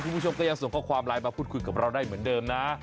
คุณผู้ชมก็ยังส่งข้อความไลน์มาพูดคุยกับเราได้เหมือนเดิมนะ